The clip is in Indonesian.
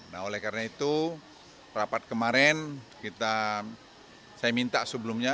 nah oleh karena itu rapat kemarin saya minta sebelumnya